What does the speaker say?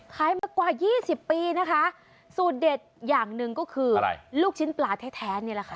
ขายมากว่ายี่สิบปีนะคะสูตรเด็ดอย่างหนึ่งก็คืออะไรลูกชิ้นปลาแท้นี่แหละค่ะ